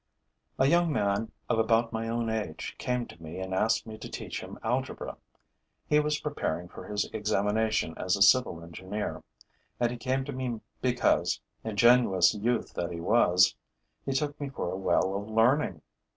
A young man of about my own age came to me and asked me to teach him algebra. He was preparing for his examination as a civil engineer; and he came to me because, ingenuous youth that he was, he took me for a well of learning.